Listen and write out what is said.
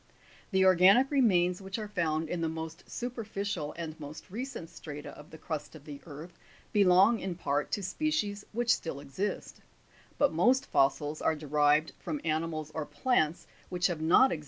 3. The organic remains which are found in the most superficial and most recent strata of the crust of the earth, belong in part to species which still exist; but most fossils are derived from ani mals or plants which have not existed since a period anterior to 1.